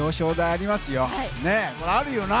あるよな。